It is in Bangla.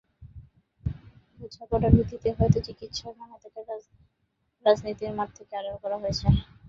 বোঝাপড়ার ভিত্তিতেই হয়তো চিকিৎসার নামে তাঁকে রাজনীতির মাঠ থেকে আড়াল করা হয়েছে।